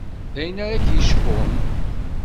D ayen ara k-yecqun?